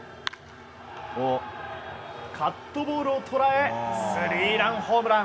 カットボールを捉えスリーランホームラン。